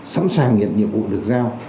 sẵn sàng nhận nhiệm vụ được giao